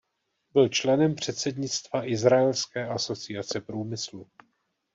Byl členem předsednictva "Izraelské asociace průmyslu".